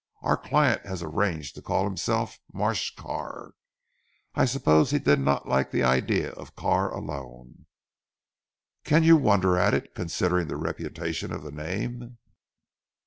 Our client has arranged to call himself Marsh Carr. I suppose he did not like the idea of Carr alone." "Can you wonder at it considering the reputation of the name?"